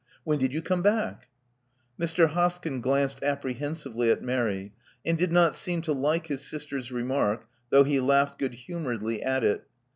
When did you come back?" Mr. Hoskyn glanced apprehensively at Mary, and did not seem to like his sister's remark, though he laughed good humbredly at it.